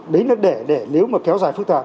đấy nó để để nếu mà kéo dài phức tạp